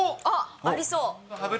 ありそう。